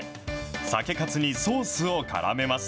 さけカツにソースをからめます。